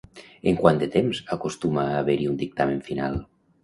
En quant de temps acostuma a haver-hi un dictamen final?